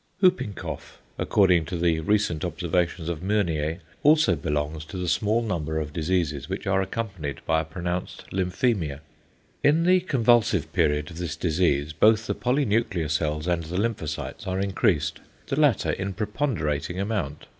Whooping cough, according to the recent observations of Meunier, also belongs to the small number of diseases which are accompanied by a pronounced lymphæmia. In the convulsive period of this disease both the polynuclear cells and the lymphocytes are increased, the latter in preponderating amount.